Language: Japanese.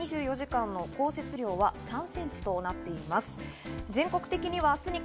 ２４時間の降雪量は３ｃｍとなっています。